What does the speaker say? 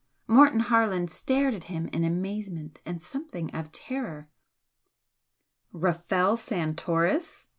Morton Harland stared at him in amazement and something of terror. "Rafel Santoris!"